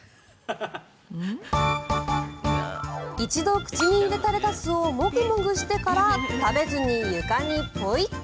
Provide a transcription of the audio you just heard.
一度口に入れたレタスをモグモグしてから食べずに床にポイッ。